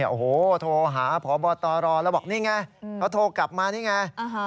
โอ้โหโทรหาพบตรแล้วบอกนี่ไงเขาโทรกลับมานี่ไง